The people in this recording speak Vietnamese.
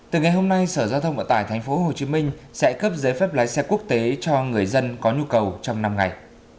từ ngày hôm nay sở giao thông vận tải tp hcm sẽ cấp giấy phép lái xe quốc tế cho người dân có nhu cầu trong năm ngày